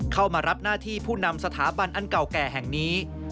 เข้ามารับหน้าที่ผู้นำสถาบันอันเก่าแก่แห่งนี้